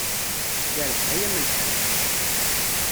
Yerbeḥ ay amelḥan.